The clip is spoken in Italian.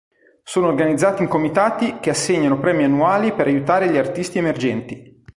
Sono organizzati in comitati che assegnano premi annuali per aiutare gli artisti emergenti.